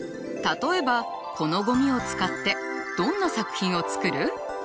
例えばこのゴミを使ってどんな作品を作る？